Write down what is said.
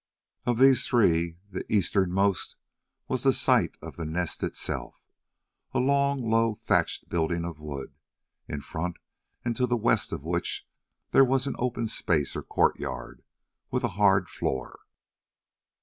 Of these three the easternmost was the site of the Nest itself, a long low thatched building of wood, in front and to the west of which there was an open space or courtyard, with a hard floor.